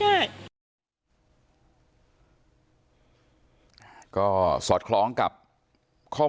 ไม่ตั้งใจครับ